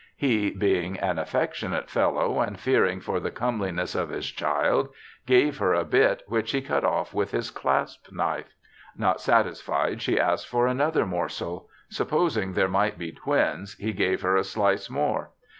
He being an affectionate fellow, and fearing for the comeliness of his child, gave her a bit which he cut off with his clasp knife. Not satis fied, she asked for another morsel. Supposing there might be twins, he gave her a slice more.